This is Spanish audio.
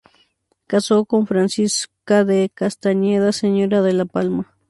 Casó con Francisca de Castañeda, señora de La Palma.